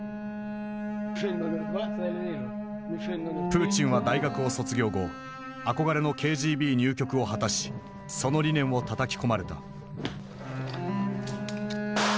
プーチンは大学を卒業後憧れのＫＧＢ入局を果たしその理念をたたき込まれた。